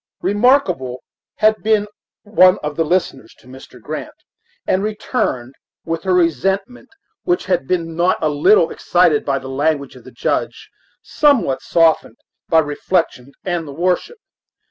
Remarkable had been one of the listeners to Mr. Grant, and returned with her resentment, which had been not a little excited by the language of the Judge, somewhat softened by reflection and the worship.